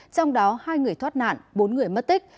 có hai người thoát nạn bốn người mất tích